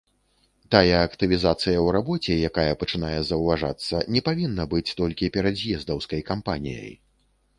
Тая актывізацыя ў рабоце, якая пачынае заўважацца, не павінна быць толькі перадз'ездаўскай кампаніяй.